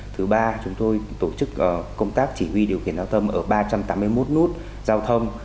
thứ ba chúng tôi tổ chức công tác chỉ huy điều khiển giao thông ở ba trăm tám mươi một nút giao thông